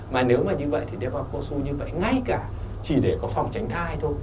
mà nếu mà như vậy thì đeo vào cao su như vậy ngay cả chỉ để có phòng tránh thai thôi